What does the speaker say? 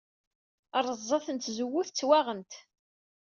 Ṛṛeẓẓat n tzewwut ttwaɣent.